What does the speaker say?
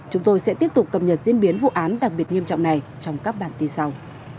chúng tôi sẽ tiếp tục cập nhật diễn biến vụ án đặc biệt nghiêm trọng này trong các bản tin sau